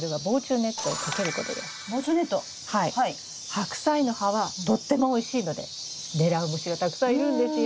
ハクサイの葉はとってもおいしいので狙う虫がたくさんいるんですよ。